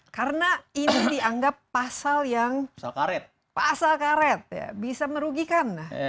karena ini dianggap pasal yang pasal karet pasal karet bisa merugikan